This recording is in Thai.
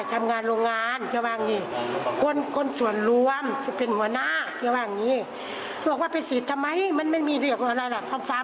โรงงานเขาห๊าบาวสีเท่ากย่าน